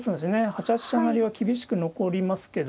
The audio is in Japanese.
８八飛車成は厳しく残りますけど。